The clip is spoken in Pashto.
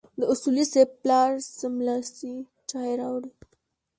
د اصولي صیب پلار سملاسي چای راوړې.